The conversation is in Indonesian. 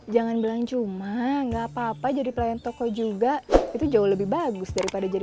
jangan bilang cuma enggak apa apa jadi pelayan toko juga itu jauh lebih bagus daripada jadi